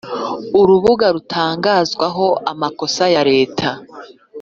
urubuga rutangazwaho amasoko ya Leta